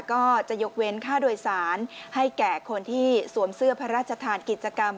ก็จะยกเว้นค่าโดยสารให้แก่คนที่สวมเสื้อพระราชทานกิจกรรม